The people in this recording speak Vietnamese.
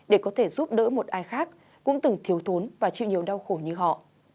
để có thể giúp đỡ một ai khác cũng từng thiếu thốn và chịu nhiều đau khổ như họ